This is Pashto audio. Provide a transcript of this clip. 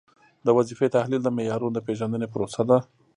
د وظیفې تحلیل د معیارونو د پیژندنې پروسه ده.